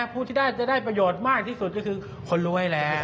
ผู้ที่ได้จะได้ประโยชน์มากที่สุดก็คือคนรวยแล้ว